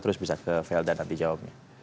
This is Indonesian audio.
terus bisa ke velda nanti jawabnya